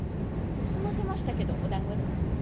済ませましたけどおだんごで。